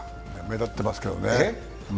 目立ってますけどね。